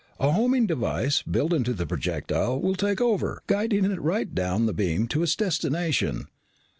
A homing device, built into the projectile will take over, guiding it right down the beam to its destination."